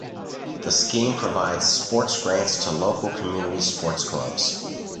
The scheme provides sports grants to local community sports clubs.